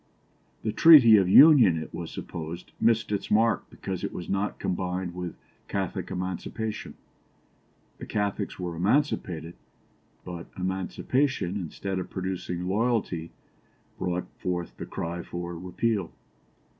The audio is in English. The Treaty of Union, it was supposed, missed its mark because it was not combined with Catholic Emancipation. The Catholics were emancipated, but emancipation, instead of producing loyalty, brought forth the cry for repeal.